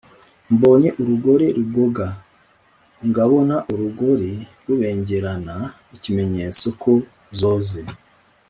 mbonye urugori rugoga: ngabona urugori rubengerana (ikimenyetso ko zose